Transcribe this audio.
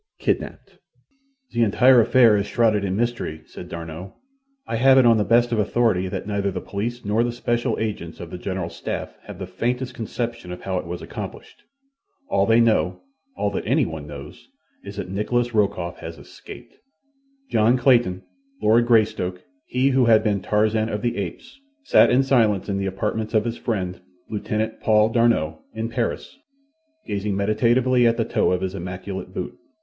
Kidnapped "The entire affair is shrouded in mystery," said D'Arnot. "I have it on the best of authority that neither the police nor the special agents of the general staff have the faintest conception of how it was accomplished. All they know, all that anyone knows, is that Nikolas Rokoff has escaped." John Clayton, Lord Greystoke—he who had been "Tarzan of the Apes"—sat in silence in the apartments of his friend, Lieutenant Paul D'Arnot, in Paris, gazing meditatively at the toe of his immaculate boot.